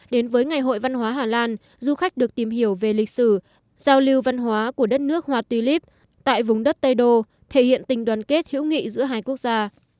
đến với ngày hội văn hóa hà lan du khách được tìm hiểu về lịch sử giao lưu văn hóa của đất nước hoa tuy líp tại vùng đất tây đô thể hiện tình đoàn kết hữu nghị giữa hai quốc gia